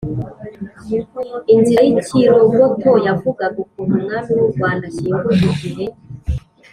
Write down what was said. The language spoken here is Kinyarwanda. inzira y’ikirogoto: yavugaga ukuntu umwami w’u rwanda ashyingurwa igihe